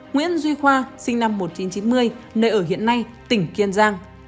nguyễn duy khoa sinh năm một nghìn chín trăm chín mươi nơi ở hiện nay tỉnh kiên giang